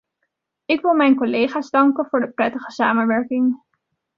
Ik wil mijn collega's danken voor de prettige samenwerking.